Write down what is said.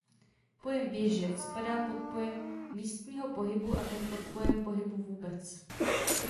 Pojem „běžet“ spadá pod pojem místního pohybu a ten pod pojem pohybu vůbec.